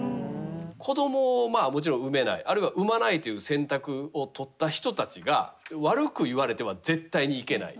子どもをもちろん産めないあるいは産まないという選択を取った人たちが悪く言われては絶対にいけない。